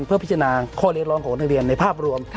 เพื่อพิจารณาข้อเรียกร้องของนักเรียนในภาพรวม